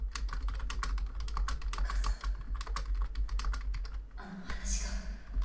お母さんあの話が。